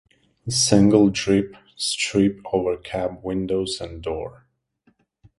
Single drip strip over cab windows and door.